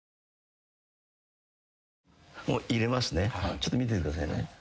ちょっと見ててくださいね。